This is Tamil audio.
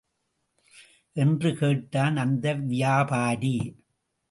என்று கேட்டான் அந்த வியாபாரி.